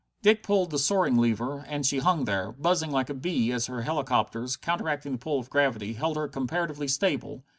Dick pulled the soaring lever, and she hung there, buzzing like a bee as her helicopters, counteracting the pull of gravity, held her comparatively stable.